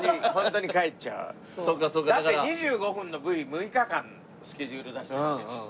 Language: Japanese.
だって２５分のＶ６日間スケジュール出したんですよ。